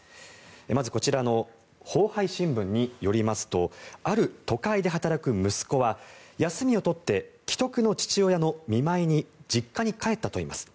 まず、こちらのホウハイ新聞によりますとある都会で働く息子は休みを取って危篤の父親の見舞いに実家に帰ったといいます。